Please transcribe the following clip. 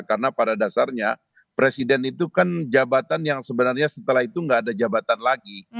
karena pada dasarnya presiden itu kan jabatan yang sebenarnya setelah itu gak ada jabatan lagi